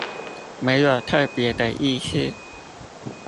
沒有特別的意思